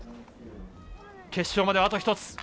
決勝まであと１つ。